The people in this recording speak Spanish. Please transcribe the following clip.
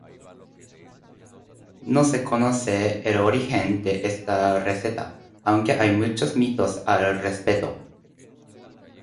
No se conoce el origen de esta receta, aunque hay muchos mitos al respecto.